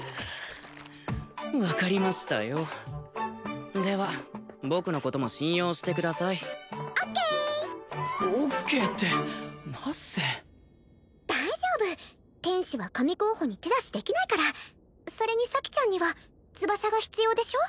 分かりましたよでは僕のことも信用してくださいオッケーオッケーってナッセ大丈夫天使は神候補に手出しできないからそれに咲ちゃんには翼が必要でしょ？